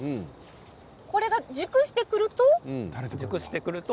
これが熟してくると。